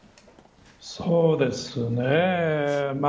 そうですね。